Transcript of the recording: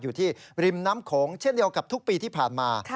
อยู่ที่ริมน้ำโขงเช่นเดียวกับทุกปีที่ผ่านมา